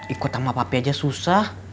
ikut sama papa aja susah